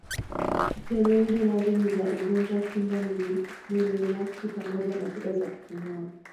Steroidi nazo ni za ugonjwa kinga mwili nafsi pamoja na shida za kupumua.